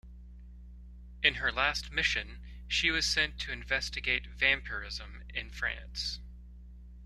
In her last mission, she was sent to investigate vampirism in France.